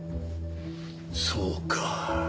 そうか。